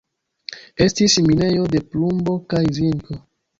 Estis minejo de plumbo kaj zinko.